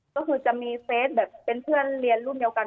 ก็คือจะมีเป็นเพื่อนเรียนร่วมเดียวกันค่ะ